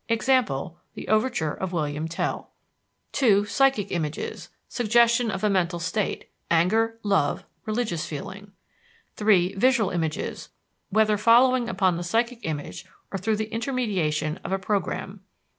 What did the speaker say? Example, the overture of William Tell. "2. Psychic images suggestion of a mental state anger, love, religious feeling. "3. Visual images, whether following upon the psychic image or through the intermediation of a programme.